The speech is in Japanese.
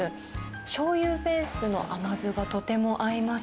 しょうゆベースの甘酢がとても合います。